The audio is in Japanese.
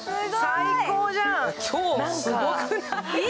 最高じゃん。